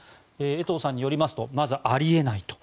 江藤さんによりますとまずあり得ないと。